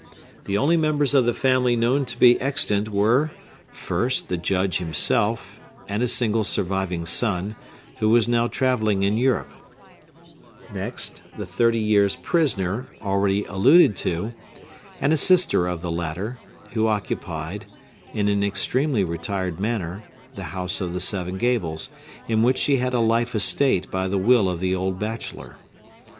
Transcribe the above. The only members of the family known to be extant were, first, the Judge himself, and a single surviving son, who was now travelling in Europe; next, the thirty years' prisoner, already alluded to, and a sister of the latter, who occupied, in an extremely retired manner, the House of the Seven Gables, in which she had a life estate by the will of the old bachelor.